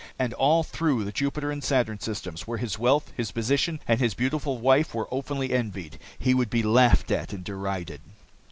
And all through the Jupiter and Saturn systems, where his wealth, his position, and his beautiful wife were openly envied, he would be laughed at and derided.